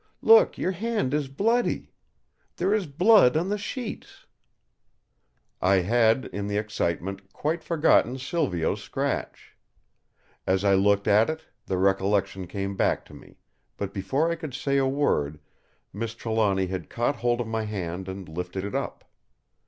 look! your hand is bloody. There is blood on the sheets!" I had, in the excitement, quite forgotten Silvio's scratch. As I looked at it, the recollection came back to me; but before I could say a word Miss Trelawny had caught hold of my hand and lifted it up.